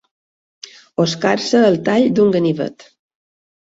Oscar-se el tall d'un ganivet.